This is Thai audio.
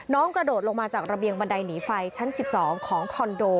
กระโดดลงมาจากระเบียงบันไดหนีไฟชั้น๑๒ของคอนโด